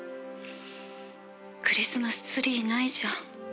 「クリスマスツリーないじゃん」